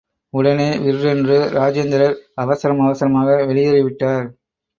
உடனே விர்ரென்று ராஜேந்திரர் அவசரம் அவசரமாக வெளியேறிவிட்டார்.